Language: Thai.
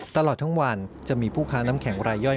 ตลอดทั้งวันจะมีผู้ค้าน้ำแข็งรายย่อย